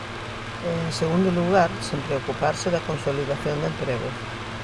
E, en segundo lugar, sen preocuparse da consolidación de emprego.